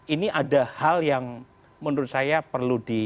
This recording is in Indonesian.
ini ada hal yang menurut saya perlu di